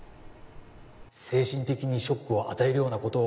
精神的にショックを与えるようなことを